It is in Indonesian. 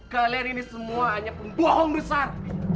kalian ini semua hanya pembohong besar